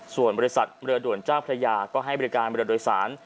ส่วนบริษัทเรือด่วนเจ้าพระยาก็ให้บริการเรือโดยสาร